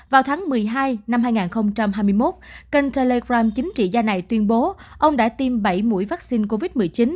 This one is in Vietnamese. vào tháng một mươi hai năm hai nghìn hai mươi một kênh telegram chính trị gia này tuyên bố ông đã tiêm bảy mũi vaccine covid một mươi chín